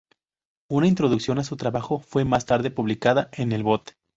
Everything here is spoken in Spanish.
Una introducción a su trabajo fue más tarde publicado en el Bot.